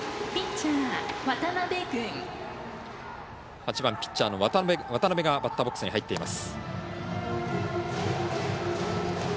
８番、ピッチャーの渡邊がバッターボックスに入っています。